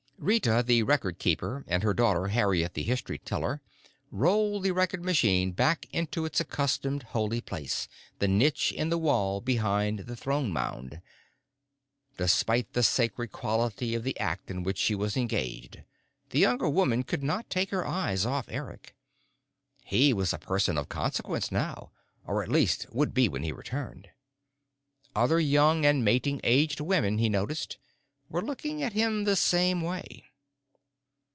Rita the Record Keeper and her daughter Harriet the History Teller, rolled the record machine back into its accustomed holy place, the niche in the wall behind the Throne Mound. Despite the sacred quality of the act in which she was engaged, the younger woman could not take her eyes off Eric. He was a person of consequence now, or at least would be when he returned. Other young and mating aged women, he noticed, were looking at him the same way.